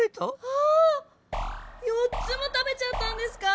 ああっ⁉４つも食べちゃったんですか？